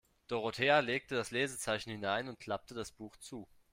Dorothea legte das Lesezeichen hinein und klappte das Buch zu.